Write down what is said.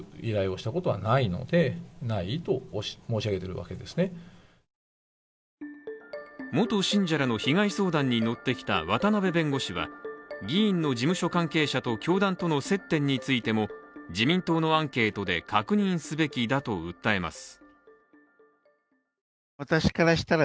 そのうえで元信者らの被害相談に乗ってきた渡辺弁護士は議員の事務所関係者と教団との接点についても自民党のアンケートで確認すべきだと訴えます。